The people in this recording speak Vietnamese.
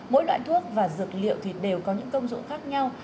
mỗi loại thuốc và dược liệu thì đều có những công dụng khác nhau